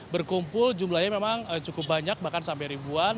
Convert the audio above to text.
berkumpul jumlahnya memang cukup banyak bahkan sampai ribuan